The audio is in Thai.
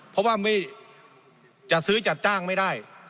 เพราะว่าจะซื้อจัดจ้างไม่ได้